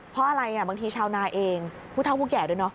เพราะอะไรบางทีชาวนาเองผู้เท่าผู้แก่ด้วยเนอ